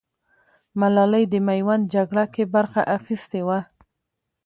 ملالۍ د ميوند جگړه کې برخه اخيستې وه.